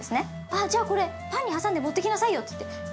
「あじゃあこれパンに挟んで持っていきなさいよ」って言って。